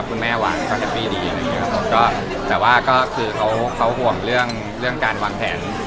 ผมจะขอให้มันถามช่างตอนนั้นไปก่อน